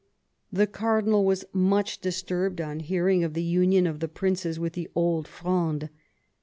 The cardinal was much disturbed on hearing of the union of the princes with the Old Fronde.